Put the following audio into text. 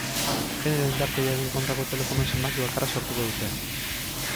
Genero indarkeriaren kontrako telefono zenbaki bakarra sortuko dute.